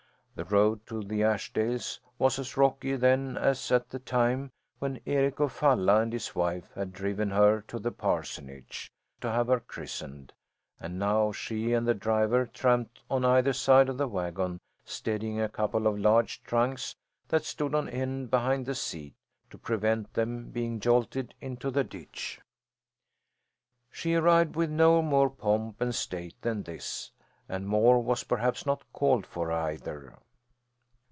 The road to the Ashdales was as rocky then as at the time when Eric of Falla and his wife had driven her to the parsonage, to have her christened, and now she and the driver tramped on either side of the wagon steadying a couple of large trunks that stood on end behind the seat, to prevent them being jolted into the ditch. She arrived with no more pomp and state than this, and more was perhaps not called for either.